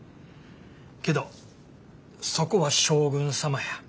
けどそこは将軍様や。